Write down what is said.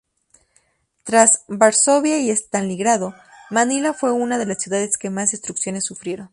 Tras Varsovia y Stalingrado, Manila fue una de las ciudades que más destrucciones sufrieron.